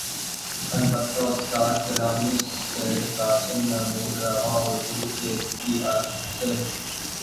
البتہ استاد گرامی سید قاسم محمود رواں اردو کی غرض سے